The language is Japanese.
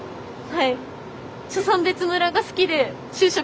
はい。